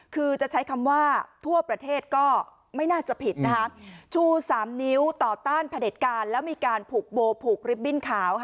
คือจะใช้คำว่าทั่วประเทศก็ไม่น่าจะผิดนะคะชู๓นิ้วต่อต้านพระเด็จการแล้วมีการผูกโบผูกลิฟตบิ้นขาว